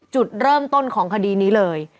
จุดเริ่มต้นของคดีนี้เลย